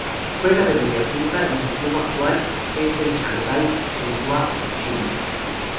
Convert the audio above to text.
Juega de mediapunta y su club actual es el Shanghái Shenhua chino.